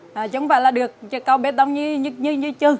chứ không phải là được chiếc cầu bê tông như chư